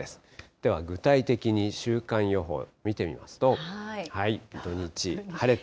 では具体的に、週間予報見てみますと、土日、晴れて。